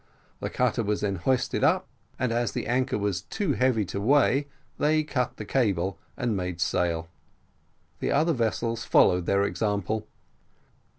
The cutter was then hoisted up, and as the anchor was too heavy to weigh, they cut the cable, and made sail. The other vessels followed their example.